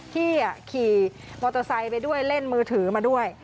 ขี่มอเตอร์ไซค์ไปด้วยเล่นมือถือมาด้วย